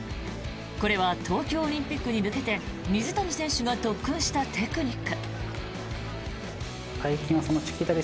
これは東京オリンピックに向けて水谷選手が特訓したテクニック。